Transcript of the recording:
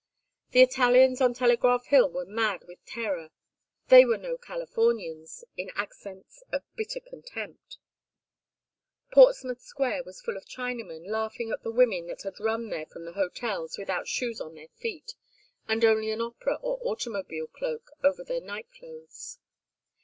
The Italians on Telegraph Hill were mad with terror: "they were no Californians," in accents of bitter contempt. Portsmouth Square was full of Chinamen laughing at the women that had run there from the hotels without shoes on their feet, and only an opera or automobile cloak over their night clothes.